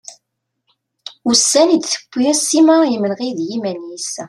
Ussan i d-tewwi Sima yimenɣi d yiman-is.